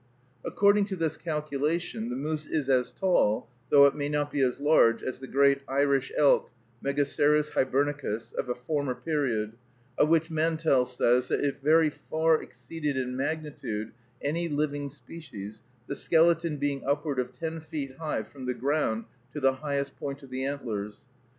According to this calculation, the moose is as tall, though it may not be as large, as the great Irish elk, Megaceros Hibernicus, of a former period, of which Mantell says that it "very far exceeded in magnitude any living species, the skeleton" being "upward of ten feet high from the ground to the highest point of the antlers."